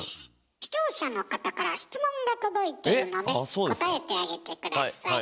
視聴者の方から質問が届いているので答えてあげて下さい。